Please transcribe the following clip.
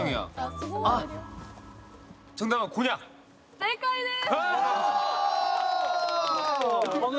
正解です。